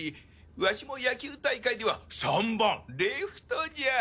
ワシも野球大会では３番レフトじゃ。